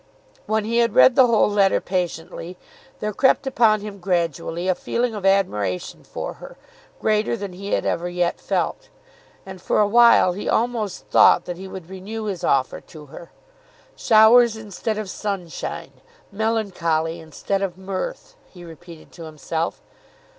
When he had read the whole letter patiently there crept upon him gradually a feeling of admiration for her, greater than he had ever yet felt, and, for awhile, he almost thought that he would renew his offer to her. "'Showers instead of sunshine; melancholy instead of mirth,'" he repeated to himself.